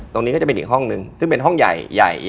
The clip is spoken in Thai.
ก็จะเป็นอีกห้องนึงซึ่งเป็นห้องใหญ่